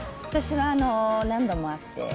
私は何度もあって。